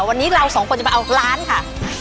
วันนี้เราสองคนจะมาเอาล้านค่ะ